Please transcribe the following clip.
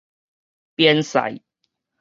邊塞